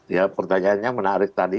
ya pertanyaannya menarik tadi